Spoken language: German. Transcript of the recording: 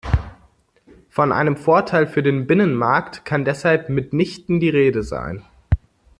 Von einem Vorteil für den Binnenmarkt kann deshalb mitnichten die Rede sein.